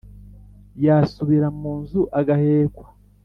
yasubira mu nzu agahekwa.